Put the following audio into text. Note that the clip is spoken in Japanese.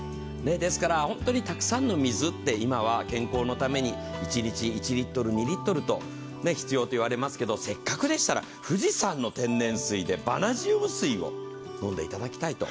ですからたくさんの水って今は健康のために一日１リットル、２リットル必要と言われますけど、せっかくでしたら富士山の天然水でバナジウム水を飲んでいただきたい。